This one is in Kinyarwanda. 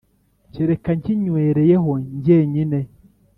kereka nkinywereyeho jyenyine